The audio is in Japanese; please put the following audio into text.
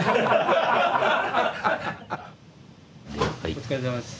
お疲れさまです。